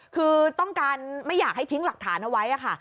คือต้องการไม่อยากให้ทิ้งหลักฐานเอาไว้ค่ะ